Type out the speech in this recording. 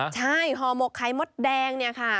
ใช่ห่อหมกไข่มดแดงเนี่ยค่ะ